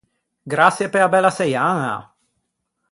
Graçie pe-a bella seiaña!